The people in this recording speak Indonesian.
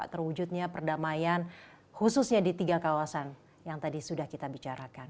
terwujudnya perdamaian khususnya di tiga kawasan yang tadi sudah kita bicarakan